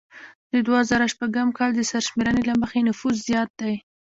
د دوه زره شپږم کال د سرشمیرنې له مخې یې نفوس زیات دی